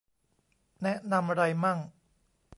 แนะนำไรมั่ง